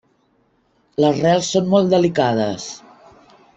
Les rels són molt delicades.